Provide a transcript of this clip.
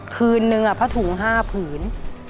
คืนนึงผ้าถุง๕ผืน